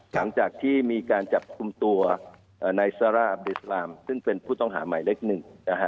หลังจากที่มีการจับคุมตัวนายซาร่าเบสลามซึ่งเป็นผู้ต้องหาใหม่เล็กหนึ่งนะฮะ